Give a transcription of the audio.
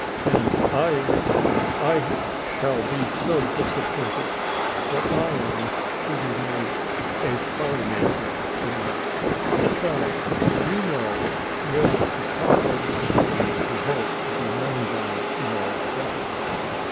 And I I shall be so disappointed, for I am to be made a Fire Maker to night. Besides, you know we are to talk over the names we hope to be known by in our club."